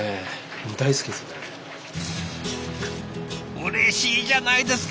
うれしいじゃないですか！